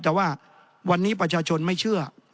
แต่ว่าวันนี้ประชาชนไม่เชื่อ